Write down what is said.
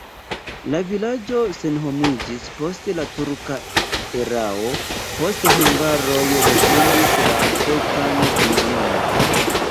La vilaĝo senhomiĝis post la turka erao, poste hungaroj refondis la etan komunumo.